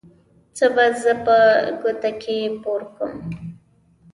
څه به زه په کوټه کښې پورکم.